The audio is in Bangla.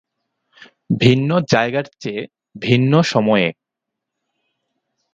ভিন্ন জায়গার চেয়ে ভিন্ন সময়ে।